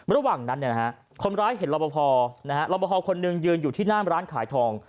ระหว่างนั้นคนร้ายเห็นรอบพอรอบพอคนหนึ่งยืนอยู่ที่หน้ามร้านขายทอง